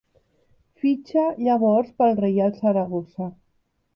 Fitxa llavors pel Reial Saragossa.